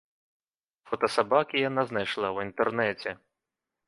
Фота сабакі яна знайшла ў інтэрнэце.